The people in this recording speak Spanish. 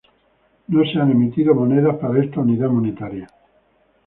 No se han emitido monedas para esta unidad monetaria.